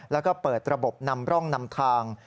แล้วก็เปิดระบบนำร่องนำทาง